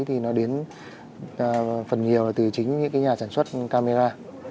thì nó đến phần nhiều là từ chính những cái nhà sản xuất camera